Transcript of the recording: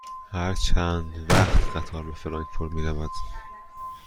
هر چند وقت قطار به فرانکفورت می رود؟